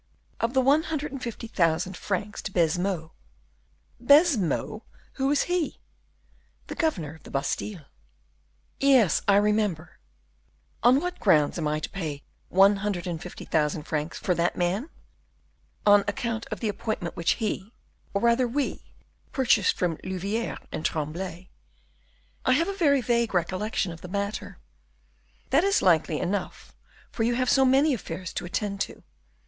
"Of the one hundred and fifty thousand francs to Baisemeaux." "Baisemeaux? Who is he?" "The governor of the Bastile." "Yes, I remember. On what grounds am I to pay one hundred and fifty thousand francs for that man." "On account of the appointment which he, or rather we, purchased from Louviere and Tremblay." "I have a very vague recollection of the matter." "That is likely enough, for you have so many affairs to attend to.